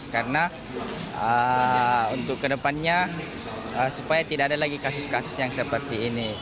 karena untuk kedepannya supaya tidak ada lagi kasus kasus yang seperti ini